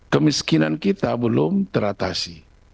kemiskinan kita belum teratasi